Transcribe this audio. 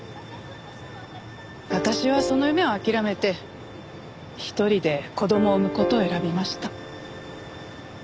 私はその夢を諦めて一人で子供を産む事を選びました。